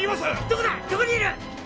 どこにいる！